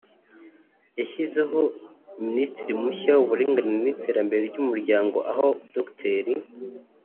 yashyizeho Minisitiri mushya w’Uburinganire n’Iterambere ry’Umuryango aho Dr